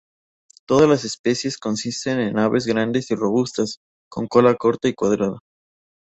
Todas las especies consisten en aves grandes y robustas, con cola corta y cuadrada.